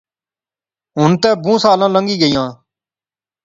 ہن تہ بہوں سالاں لنگی گئیاں